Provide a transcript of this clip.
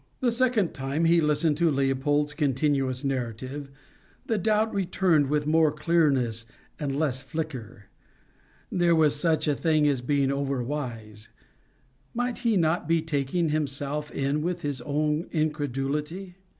The second time he listened to Leopold's continuous narrative, the doubt returned with more clearness and less flicker: there was such a thing as being over wise: might he not be taking himself in with his own incredulity?